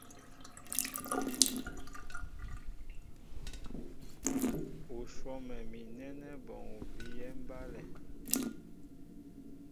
U swɔ́mɛ mi nɛ́nɛ́ bɔŋ u bíyɛ́ mbálɛ.